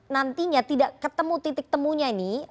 nantinya tidak ketemu titik temunya ini